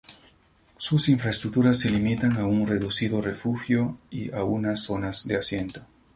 Sus infraestructuras se limitan a un reducido refugio y a unas zonas de asiento.